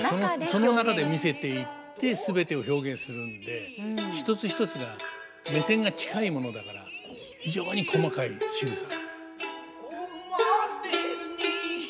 その中で見せていって全てを表現するんで一つ一つが目線が近いものだから非常に細かいしぐさ。